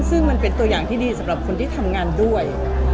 ซึ่งมันเป็นตัวอย่างที่ดีสำหรับคนที่ทำงานด้วย